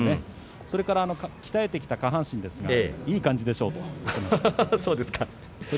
それから鍛えてきた下半身ですがいい感じでしょう？